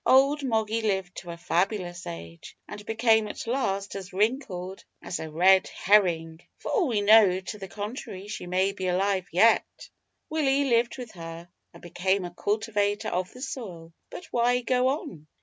Old Moggy lived to a fabulous age, and became at last as wrinkled as a red herring. For all we know to the contrary, she may be alive yet. Willie lived with her, and became a cultivator of the soil. But why go on?